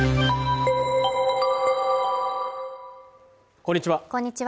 こんにちは